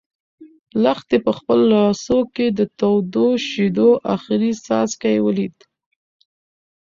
لښتې په خپلو لاسو کې د تودو شيدو اخري څاڅکی ولید.